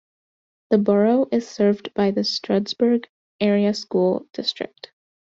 The Borough is served by the Stroudsburg Area School District.